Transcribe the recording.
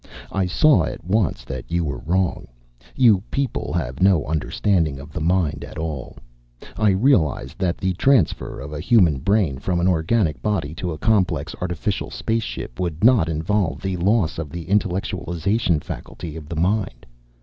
I saw at once that you were wrong; you people have no understanding of the mind at all. I realized that the transfer of a human brain from an organic body to a complex artificial space ship would not involve the loss of the intellectualization faculty of the mind.